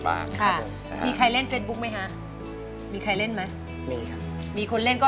หล่น